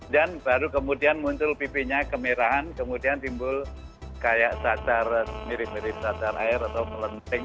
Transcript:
dan baru kemudian muncul pipinya kemerahan kemudian timbul kayak sasar mirip mirip sasar air atau melenting